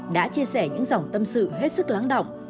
đã chia sẻ những dòng tâm sự hết sức lắng động